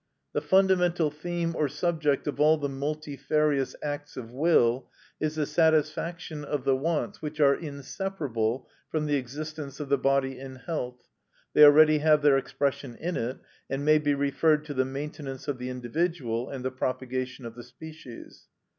The fundamental theme or subject of all the multifarious acts of will is the satisfaction of the wants which are inseparable from the existence of the body in health, they already have their expression in it, and may be referred to the maintenance of the individual and the propagation of the species.